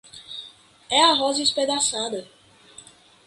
E a rosa espedaçada.